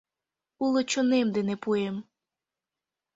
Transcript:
Уло чонем дене пуэм.